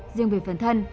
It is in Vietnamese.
riêng về phần thân